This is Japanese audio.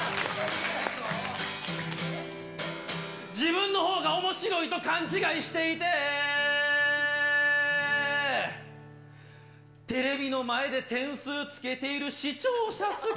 自分のほうがおもしろいと勘違いしていて、テレビの前で点数つけている視聴者、好き。